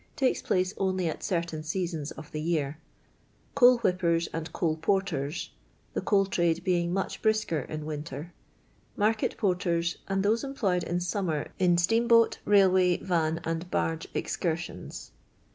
takes place onlj at certain seasons of the year), coal whippers and eoal porters (the coal trade being moch brisker in winter), market porters, and those employed in Slimmer in steam boat, railway, van, and barge excursions.